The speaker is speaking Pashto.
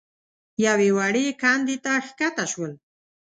يوې وړې کندې ته کښته شول.